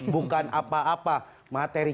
bukan apa apa materi